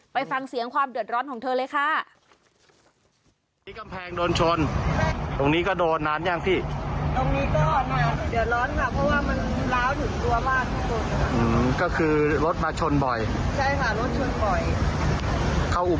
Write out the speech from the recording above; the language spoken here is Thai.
ไปฟังเสียงความเดือดร้อนของเธอเลยค่ะ